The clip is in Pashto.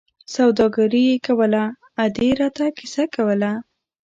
سوداګري یې کوله، ادې را ته کیسه کوله.